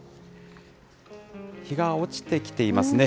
日が落ちてきていますね。